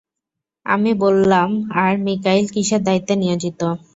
আমি বললাম, আর মীকাঈল কিসের দায়িত্বে নিয়োজিত?